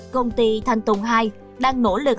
công ty thanh tùng hai đang nỗ lực hoạt động